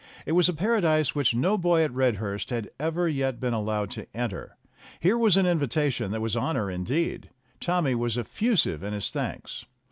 It was a paradise which no boy at Redhurst had ever yet been allowed to enter. Here was an invitation that was honor, indeed. Tommy was effusive in his thanks.